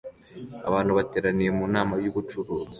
Abantu bateraniye mu nama y'ubucuruzi